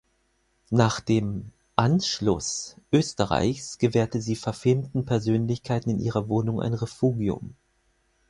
Nach dem „Anschluss“ Österreichs gewährte sie verfemten Persönlichkeiten in ihrer Wohnung ein Refugium.